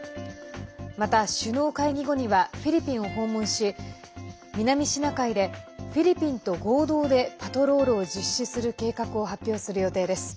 また、首脳会議後にはフィリピンを訪問し南シナ海でフィリピンと合同でパトロールを実施する計画を発表する予定です。